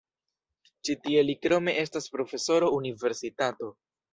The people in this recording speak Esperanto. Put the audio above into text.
Ĉi tie li krome estas profesoro universitato.